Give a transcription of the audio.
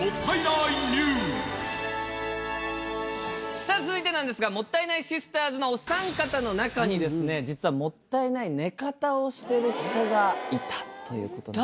さあ続いてなんですがもったいないシスターズのお三方の中にですね実はもったいない寝方をしてる人がいたという事なんです。